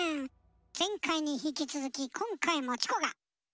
前回に引き続き今回もチコが」。